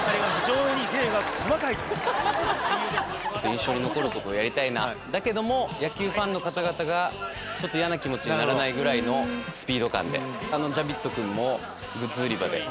印象に残ることをやりたいだけど野球ファンの方々が嫌な気持ちにならないぐらいのスピード感であのジャビットくんもグッズ売り場で。